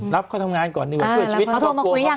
รับเขาทำงานก่อนดีกว่าช่วยชีวิตเขากลัวค่ะ